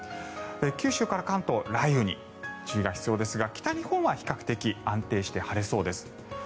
九州から関東雷雨に注意が必要ですが北日本は比較的安定して晴れそうです。